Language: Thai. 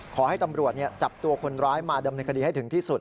ขอให้ตำรวจจับตัวคนร้ายมาดำเนินคดีให้ถึงที่สุด